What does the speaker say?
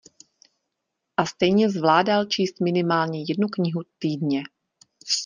A stejně zvládal číst minimálně jednu knihu týdně.